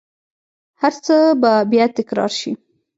هرڅه به بیا تکرار شي